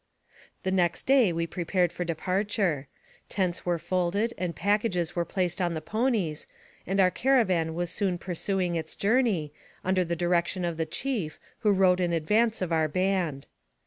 The next day we prepared for departure. Tents were folded, and packages were placed upon the ponies, and our caravan was soon pursuing its journey, under the direction of the chief, who rode in advance of our band.